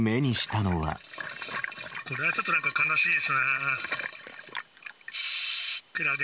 これはちょっとなんか悲しいですね。